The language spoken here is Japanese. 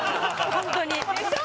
ホントにでしょ？